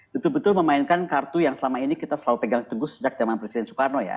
betul betul memainkan kartu yang selama ini kita selalu pegang teguh sejak zaman presiden soekarno ya